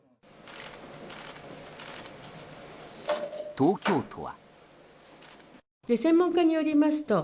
東京都は。